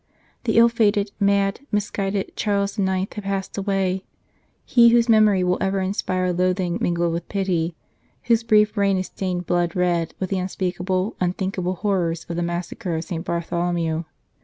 The ill fated, mad, misguided Charles IX. had passed away he whose memory will ever inspire loathing mingled with pity, whose brief reign is stained blood red with the unspeakable, unthink able horrors of the Massacre of St. Bartholomew.